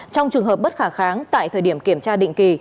trong trường hợp bất khả kháng tại thời điểm kiểm tra định kỳ